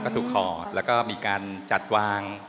ก็ถูกขอดแล้วก็มีการจัดวาง